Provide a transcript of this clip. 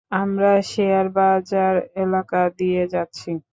আমরা শেয়ার বাজার এলাকা দিয়ে যাচ্ছি।